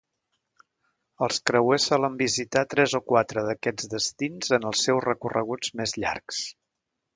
Els creuers solen visitar tres o quatre d'aquests destins en els seus recorreguts més llargs.